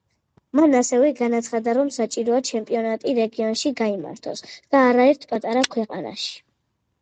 მან ასევე განაცხადა, რომ საჭიროა ჩემპიონატი რეგიონში გაიმართოს და არაერთ პატარა ქვეყანაში.